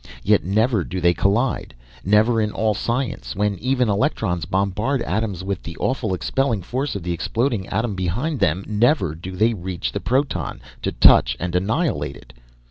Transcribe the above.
Yet never do they collide. Never in all science, when even electrons bombard atoms with the awful expelling force of the exploding atom behind them, never do they reach the proton, to touch and annihilate it.